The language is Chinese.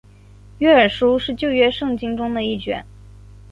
约珥书是旧约圣经中的一卷。